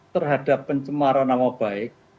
terhadap pencemaran nama baik